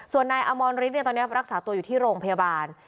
ส่วนนายอมรฤทธิ์ตอนนี้รักษาตัวอยู่ที่โรงพยาบาล